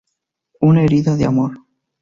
Una herida de amor